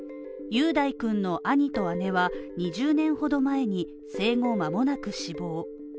雄大君の兄と姉は２０年ほど前に生後間もなく死亡。